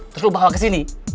terus lo bawa kesini